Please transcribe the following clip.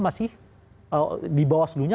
masih di bawah selunya